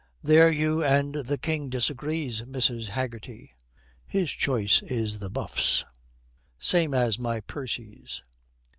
'There you and the King disagrees, Mrs. Haggerty. His choice is the Buffs, same as my Percy's.'